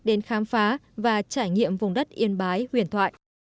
đến khám phá và trải nghiệm vùng đất yên bái huyền thoại